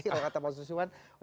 kalau ada pertanyaan lain